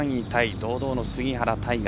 堂々の杉原大河。